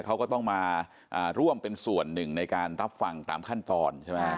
เขาก็ต้องมาร่วมเป็นส่วนหนึ่งในการรับฟังตามขั้นตอนใช่ไหม